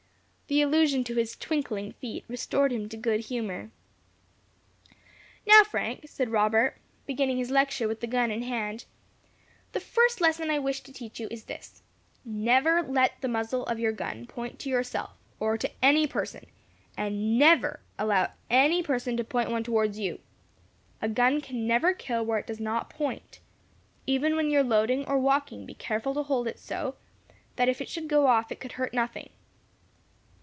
The allusion to his "twinkling" feet restored him to good humour. "Now, Frank," said Robert, beginning his lecture with the gun in hand, "the first lesson I wish to teach you is this, never let the muzzle of your gun point to yourself, or to any person, and never allow any person to point one towards you. A gun can never kill where it does not point. Even when you are loading, or walking, be careful to hold it so, that if it should go off it could hurt nothing."